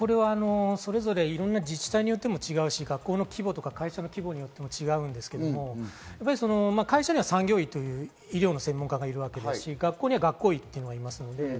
それぞれ、いろんな自治体によっても違うし、学校の規模とか会社の規模によっても違うんですけれども、会社には産業医という医療専門家がいますし、学校には学校医がいます。